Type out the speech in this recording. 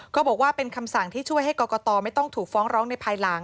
บอกว่าเป็นคำสั่งที่ช่วยให้กรกตไม่ต้องถูกฟ้องร้องในภายหลัง